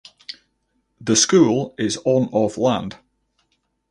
The school is on of land.